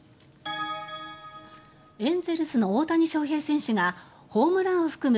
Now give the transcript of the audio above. エンゼルスの大谷翔平選手がホームランを含む